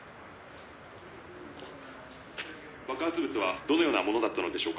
「爆発物はどのようなものだったのでしょうか？」